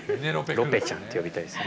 ロペちゃんって呼びたいですよね。